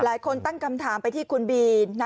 หลายคนตั้งคำถามไปที่คุณบี